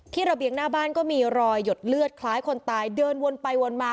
ระเบียงหน้าบ้านก็มีรอยหยดเลือดคล้ายคนตายเดินวนไปวนมา